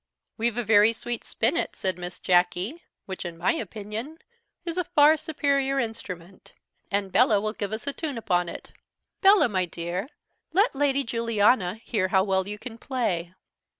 "We've a very sweet spinnet," said Miss Jacky, "which, in my opinion, is a far superior instrument: and Bella will give us a tune upon it. Bella, my dear, let Lady Juliana hear how well you can play."